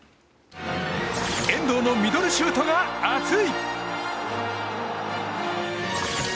遠藤のミドルシュートが熱い！